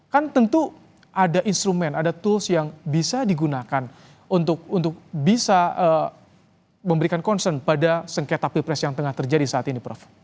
kan tentu ada instrumen ada tools yang bisa digunakan untuk bisa memberikan concern pada sengketa pilpres yang tengah terjadi saat ini prof